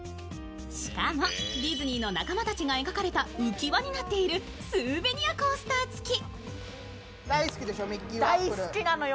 しかもディズニーの仲間たちが描かれた浮き輪になっているスーベニアコースター付き。